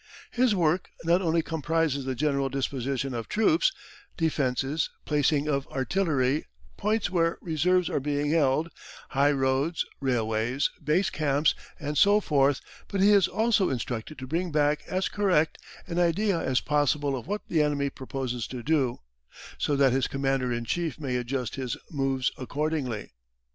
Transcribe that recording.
His work not only comprises the general disposition of troops, defences, placing of artillery, points where reserves are being held, high roads, railways, base camps, and so forth, but he is also instructed to bring back as correct an idea as possible of what the enemy proposes to do, so that his Commander in Chief may adjust his moves accordingly.